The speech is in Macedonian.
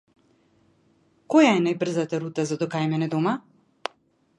Која е најбрзата рута за до кај мене дома?